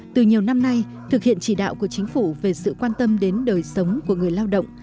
từ nhiều năm nay thực hiện chỉ đạo của chính phủ về sự quan tâm đến đời sống của người lao động